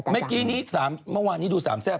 เมื่อกี้นี้เมื่อวานนี้ดูสามแซ่บ